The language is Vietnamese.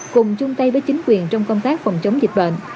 cùng chung tay với chính quyền trong công tác phòng chống dịch bệnh